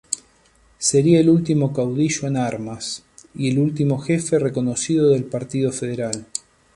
Sería el último caudillo en armas, y el último jefe reconocido del partido federal.